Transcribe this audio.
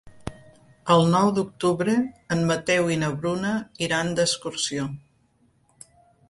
El nou d'octubre en Mateu i na Bruna iran d'excursió.